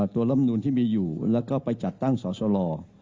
ลำนูนที่มีอยู่แล้วก็ไปจัดตั้งสอสล